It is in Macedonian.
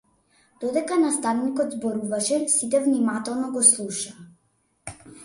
Додека наставникот зборуваше сите внимателно го слушаа.